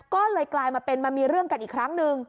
ก็เลยกลายมาเป็นมามีเรื่องกันอีกครั้งหนึ่ง